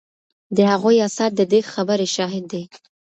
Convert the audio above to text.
د هغوی اثار د دې خبرې شاهد دي